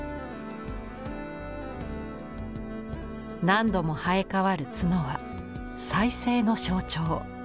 何度も生え変わる角は「再生」の象徴。